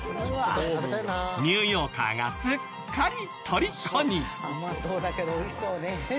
ニューヨーカーがすっかりとりこに！